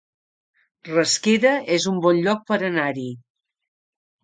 Rasquera es un bon lloc per anar-hi